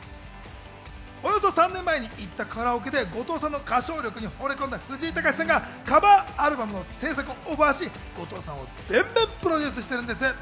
およそ３年前に行ったカラオケで後藤さんの歌唱力にほれ込んだ藤井隆さんが、カバーアルバムの制作をオファーし、後藤さんを全面プロデュースしているんです。